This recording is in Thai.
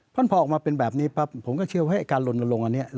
เพราะพอออกมาเป็นแบบนี้ปั๊บผมก็เชื่อว่าการลนลงอันนี้